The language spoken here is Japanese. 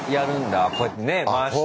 こうやってね回して。